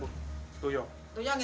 bukan untuk menggulangi